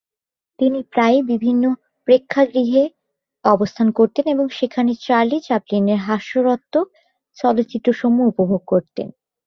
তিনি প্রায়ই বিভিন্ন প্রেক্ষাগৃহে অবস্থান করতেন এবং সেখানে চার্লি চ্যাপলিনের হাস্যরসাত্মক চলচ্চিত্রসমূহ উপভোগ করতেন।